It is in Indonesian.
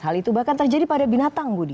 hal itu bahkan terjadi pada binatang budi